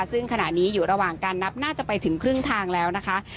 ซึ่งขณะนี้อยู่ระหว่างการนับน่าจะไปถึงครึ่งทางแล้วนะคะ